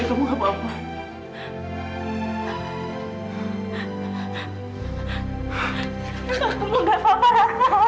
ayah kamu apa apa